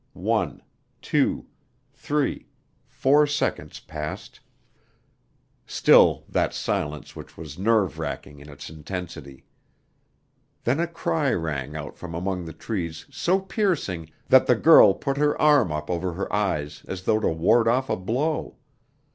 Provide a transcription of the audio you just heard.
One, two, three, four seconds passed still that silence which was nerve racking in its intensity. Then a cry rang out from among the trees so piercing that the girl put her arm up over her eyes as though to ward off a blow.